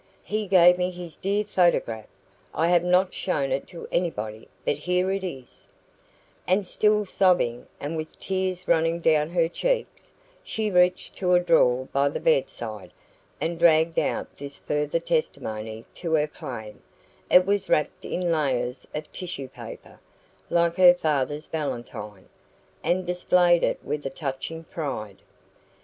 He gave me his dear photograph. I have not shown it to anybody, but here it is " And still sobbing, and with tears running down her cheeks, she reached to a drawer by the bedside, and dragged out this further testimony to her claim it was wrapped in layers of tissue paper, like her father's valentine and displayed it with a touching pride.